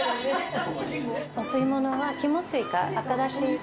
お吸い物は肝吸いか？